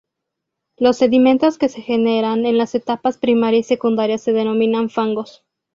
Los sedimentos que se generan en las etapas primaria y secundaria se denominan fangos.